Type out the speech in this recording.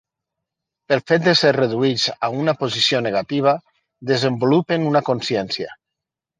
Pel fet de ser reduïts a una posició negativa, desenvolupen una consciència.